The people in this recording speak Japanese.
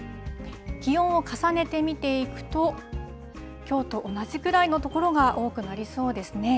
気温を重ねて見ていくと、きょうと同じくらいの所が多くなりそうですね。